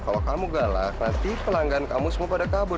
kalau kamu galak nanti pelanggan kamu semua pada kabur